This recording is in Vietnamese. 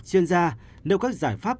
chuyên gia nêu các giải pháp